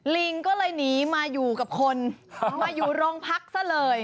ลิงก็เลยหนีมาอยู่รองพักซะเลย